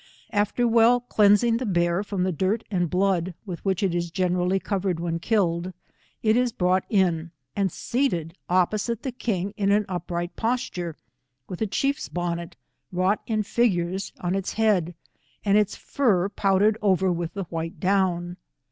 Aftor wdl 117 cleansing the bear from the dirt and blood, with which it is generally covered when killed, it is brought in and seated opposite the king ia an upright posture, with a chief's bonnet, wrought in figures on its head, and its fur powdered over with the white down.